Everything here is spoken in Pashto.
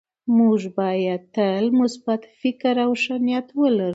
موږ باید تل مثبت فکر او ښه نیت ولرو